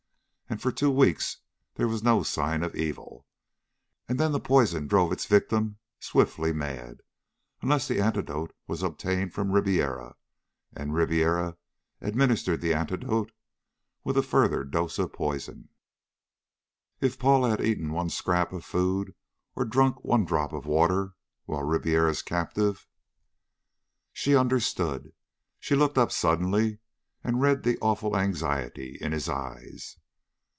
And for two weeks there was no sign of evil. And then the poison drove its victim swiftly mad unless the antidote was obtained from Ribiera. And Ribiera administered the antidote with a further dose of poison. If Paula had eaten one scrap of food or drunk one drop of water while Ribiera's captive.... She understood. She looked up suddenly, and read the awful anxiety in his eyes.